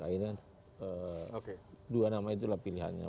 akhirnya dua nama itulah pilihannya